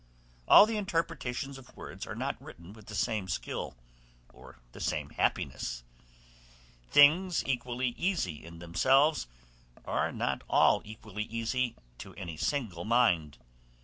All the interpretations of words are not written with the same skill, or the same happiness: things equally easy in themselves, are not all equally easy to any single mind.